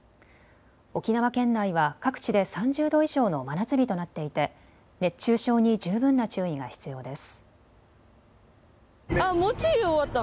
沖縄県内は各地で３０度以上の真夏日となっていて熱中症に十分な注意が必要です。